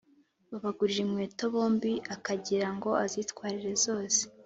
babagurira inkweto bombi akagira ngo azitwarire zose.